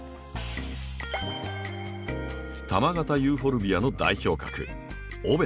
球形ユーフォルビアの代表格